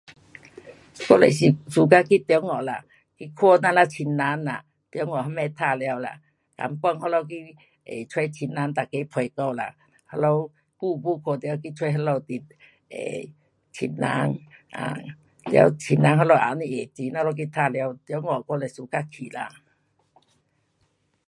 我就是 suka 去中国啦，去看我们亲人啦，中国那边玩耍啦，看了去找亲人每个陪聊啦。那里久没看见去找那里 um 亲人 um 了亲人也后日去接我们去玩耍，中国我是 suka 去啦。